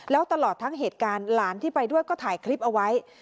แล้วตลอดทั้งเหตุการณ์หลานที่ไปด้วยก็ถ่ายคลิปเอาไว้